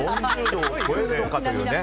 ４０度を超えるのかというね。